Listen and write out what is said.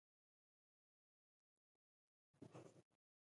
کله کله به د دالان پر لرګي.